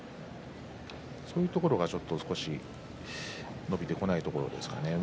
そうしたところが伸びてこないところですかね。